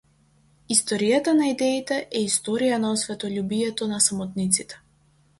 Историјата на идеите е историја на осветољубието на самотниците.